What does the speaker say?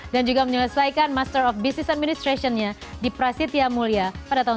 dan juga menyelesaikan master of business administration nya di prasetya mulia pada tahun seribu sembilan ratus sembilan puluh lima